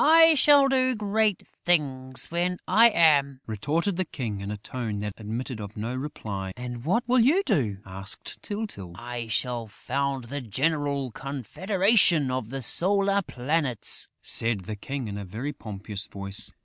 "I shall do great things when I am!" retorted the King, in a tone that admitted of no reply. "And what will you do?" asked Tyltyl. "I shall found the General Confederation of the Solar Planets," said the King, in a very pompous voice.